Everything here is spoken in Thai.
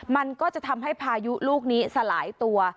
มันก็จะทำให้พายุลูกนี้สลายตัว